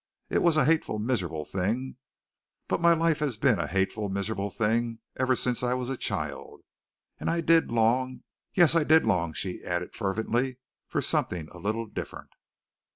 It was a hateful, miserable thing, but then my life has been a hateful, miserable thing ever since I was a child, and I did long, yes, I did long," she added fervently, "for something a little different."